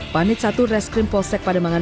panit satu reskrim polsek pademangan